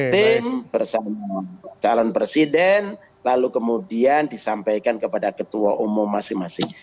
tim bersama calon presiden lalu kemudian disampaikan kepada ketua umum masing masing